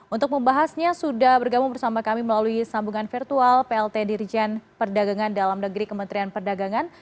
untuk membahasnya sudah bergabung bersama kami melalui sambungan virtual plt dirjen perdagangan dalam negeri kementerian perdagangan